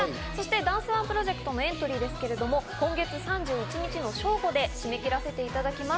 ダンスＯＮＥプロジェクトのエントリーですけど今月３１日の正午で締め切らせていただきます。